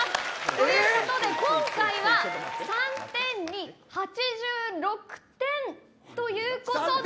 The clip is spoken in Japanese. ということで今回は３点に８６点ということで。